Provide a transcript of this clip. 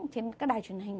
trên các đài truyền hình